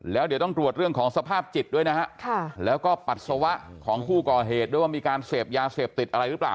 แล้วเดี๋ยวต้องตรวจเรื่องของสภาพจิตด้วยนะฮะแล้วก็ปัสสาวะของผู้ก่อเหตุด้วยว่ามีการเสพยาเสพติดอะไรหรือเปล่า